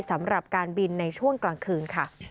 สำหรับการบินในช่วงกลางคืนค่ะ